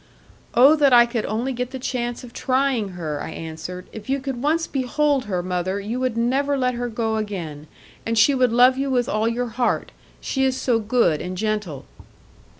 'Oh that I could only get the chance of trying her!' I answered, 'if you could once behold her, mother, you would never let her go again. And she would love you with all her heart, she is so good and gentle.'